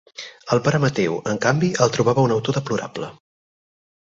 El pare Mateu, en canvi, el trobava un autor deplorable.